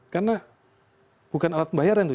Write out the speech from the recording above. karena bukan alat pembayaran itu